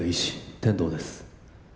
天堂です